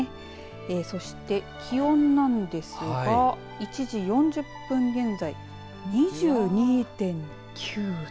そして気温なんですが１時４０分現在２２．９度。